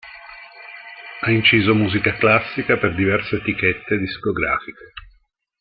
Ha inciso musica classica per diverse etichette discografiche.